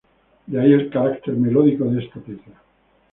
De ahí el carácter melódico de esta pieza.